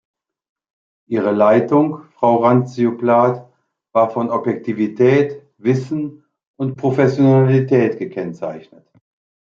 Ihre Leitung, Frau Randzio-Plath, war von Objektivität, Wissen und Professionalität gekennzeichnet.